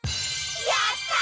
やった！